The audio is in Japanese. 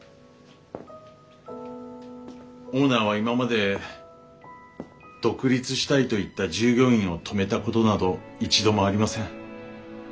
オーナーは今まで独立したいと言った従業員を止めたことなど一度もありません。